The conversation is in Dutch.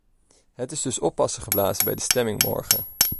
Het is dus oppassen geblazen bij de stemming morgen!